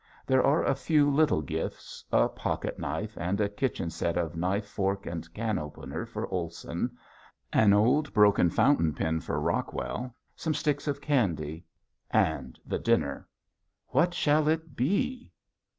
There are a few little gifts, a pocketknife and a kitchen set of knife, fork, and can opener for Olson. An old broken fountain pen for Rockwell, some sticks of candy, and the dinner! What shall it be?